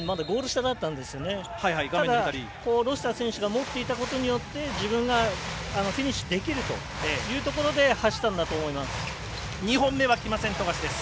ただ、ロシター選手が持っていたことによって自分がフィニッシュできるというところで走ったんだと思います。